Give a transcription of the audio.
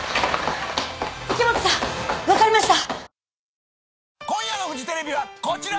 池本さん分かりました！